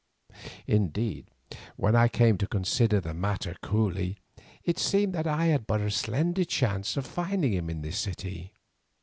Indeed, when I came to consider the matter coolly it seemed that I had but a slender chance of finding him in this city.